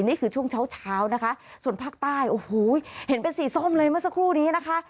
นี่คือช่วงเช้าเช้านะคะส่วนภาคใต้โอ้โหเห็นเป็นสีส้มเลยเมื่อสักครู่นี้นะคะ